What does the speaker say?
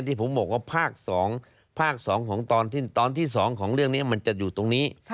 ที่ผมบอกว่าภาคสองถ้าทึ่งตอนที่สองของเรื่องที่มันจะอยู่ตรงนี้